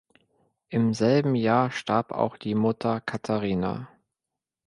Im selben Jahr starb auch die Mutter Katharina.